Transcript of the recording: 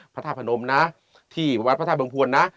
พระท่าพนมนะที่วัดพระท่าบังพวนนะ